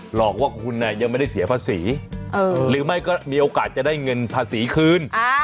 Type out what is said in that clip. หลอกว่าคุณยังไม่ได้เสียภาษีหรือไม่ก็มีโอกาสจะได้เงินภาษีคืน